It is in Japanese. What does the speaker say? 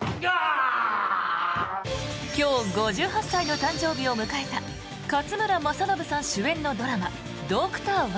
今日、５８歳の誕生日を迎えた勝村政信さん主演のドラマ「ドクターＹ」。